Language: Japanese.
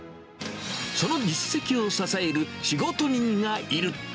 その実績を支える仕事人がいる。